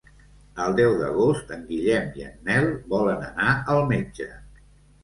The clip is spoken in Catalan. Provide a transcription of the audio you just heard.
El deu d'agost en Guillem i en Nel volen anar al metge.